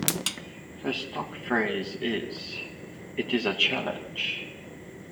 Her stock phrase is It is a challenge.